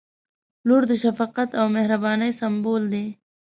• لور د شفقت او مهربانۍ سمبول دی.